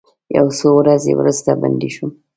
یو څو ورځې وروسته بندي شوم.